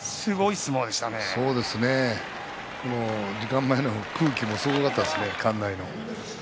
そうですね、時間前の空気もすごかったですね、館内の。